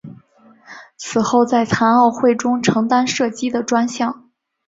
此后在残奥会中承担射击的专项。